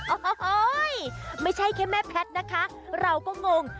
โอ้โหไม่ใช่แค่แม่แพทย์นะคะเราก็งง